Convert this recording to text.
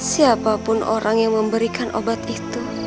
siapapun orang yang memberikan obat itu